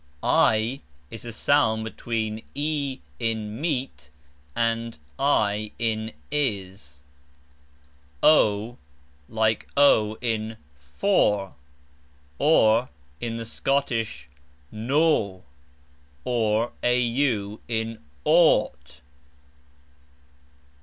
i is a sound between EE in mEEt and I in Is. o like O in fOr, or in the Scottish NO, or AU in AUght.